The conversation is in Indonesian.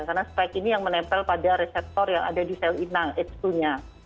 karena spike ini yang menempel pada reseptor yang ada di sel inang h dua nya